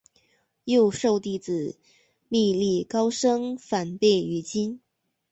又授弟子觅历高声梵呗于今。